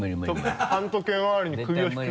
反時計回りに首を引く。